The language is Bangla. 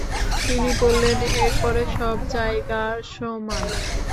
তিনি বললেন, এর পরে সব জায়গা সমান।